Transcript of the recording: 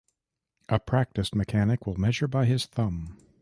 A practiced mechanic will measure by his thumb.